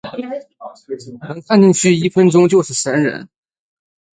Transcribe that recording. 能看的进去一分钟就是神人